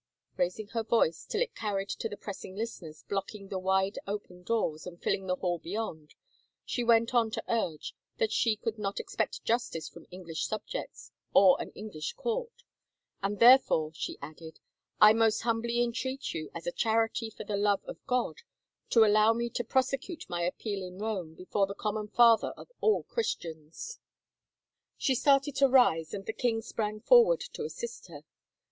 Raising her voice, till it carried to the pressing listeners blocking the wide open doors and filling the hall beyond, she went on to urge that she could not expect justice from English subjects or an English court, " and, therefore," she added, " I most humbly entreat you, as a charity for the love of God, to allow me to prosecute my appeal in Rome before the common Father of all Christians." She started to rise, and the king sprang forward to assist her.